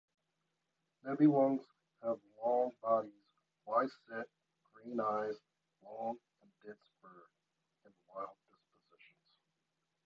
Nebelungs have long bodies, wide-set green eyes, long and dense fur, and mild dispositions.